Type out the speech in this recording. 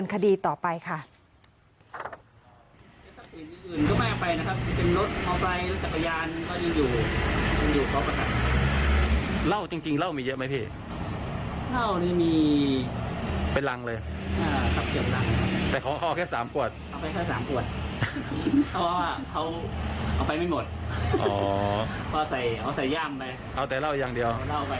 เขาไปแค่สามขวดเพราะว่าเขาเอาไปไม่หมดเขาใส่ว่าใส่ย่ำไปเอาแต่เล่าอย่างเดียว